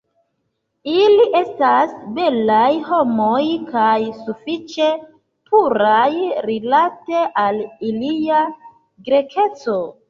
Ili estas belaj homoj, kaj sufiĉe puraj rilate al ilia Grekeco.